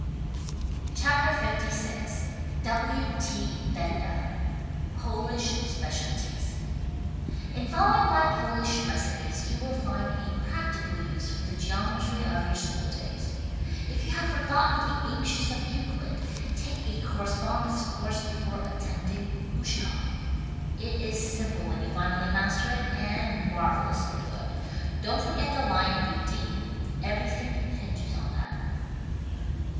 WRITTEN FOR MEN BY MEN LVI W, T. Benda POLISH SPECIALTIES In following my Polish recipes you will find a prac tical use for the geometry of your school days. If you have forgotten the axioms of Euclid, take a correspondence course before attempting "Ushka." It is simple when you finally master it — and marvel ously good. Don't forget the line B D. Everything hinges on that.